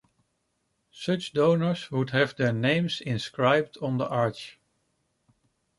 Such donors would have their names inscribed on the arch.